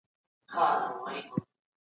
بنسټیزي پلټني سیده ستونزي نه حلوي.